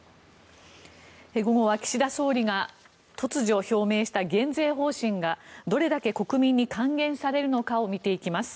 午後は岸田総理が突如表明した減税方針がどこまで国民に還元されるのかを見ていきます。